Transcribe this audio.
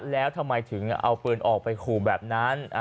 แล้วทำไมถึงเอาปืนออกไปขู่แบบนั้น